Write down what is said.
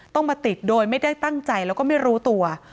ต้องมาติดโดยไม่ได้ตั้งใจแล้วก็ไม่รู้ตัว